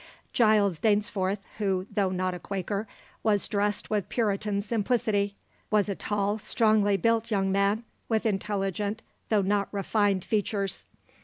Giles Dainsforth, who, though not a Quaker, was dressed with Puritan simplicity, was a tall, strongly built young man, with intelligent, though not refined features.